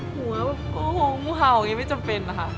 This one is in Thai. หัวห่วงหัวเข่าไม่จำเป็น